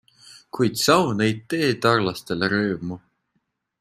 Kuid saun ei tee tarlastele rõõmu.